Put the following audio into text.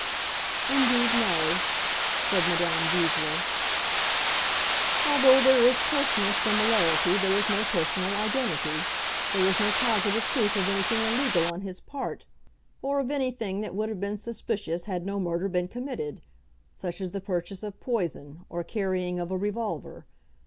"Indeed no," said Madame Goesler. "Although there is personal similarity, there is no personal identity. There is no positive proof of anything illegal on his part, or of anything that would have been suspicious had no murder been committed, such as the purchase of poison, or carrying of a revolver.